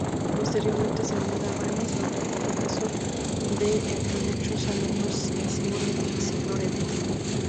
Posteriormente se muda a Vannes, donde fue profesora de, entre muchos alumnos, Simone Signoret.